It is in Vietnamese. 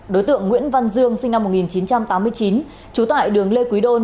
đối tượng nguyễn văn dương sinh năm một nghìn chín trăm tám mươi chín trú tại đường lê quý đôn